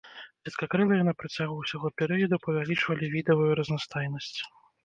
Сеткакрылыя на працягу ўсяго перыяду павялічвалі відавую разнастайнасць.